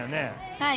はい！